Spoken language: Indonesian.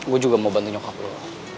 gue juga mau bantu nyokap lo